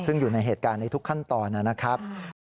ซึ่งอยู่ในเหตุการณ์ในทุกขั้นตอนนะครับ